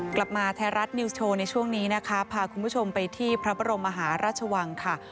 กลับมาไทยรัฐนิวส์โชว์ในช่วงนี้นะคะพาคุณผู้ชมไปที่พระบรมมหาราชวังค่ะ